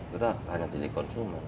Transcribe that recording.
kita hanya sendiri konsumen